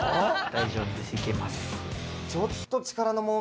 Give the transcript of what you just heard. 大丈夫です。